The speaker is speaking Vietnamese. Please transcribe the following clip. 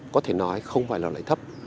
có thể nói không phải là lợi thấp